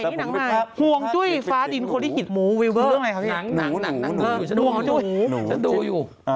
อ๋อก็ใหม่อันนี้ใหม่อันนี้นางความใหญ่